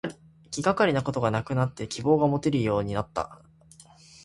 気がかりなことがなくなって希望がもてるようになること。